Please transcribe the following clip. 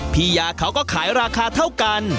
พี่ยาเขาก็ขายราคาเท่ากัน